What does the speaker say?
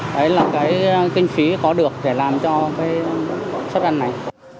đấy là cái kinh phí có được để làm cho cái suất ăn này